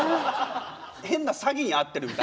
変な詐欺に遭ってるみたいな。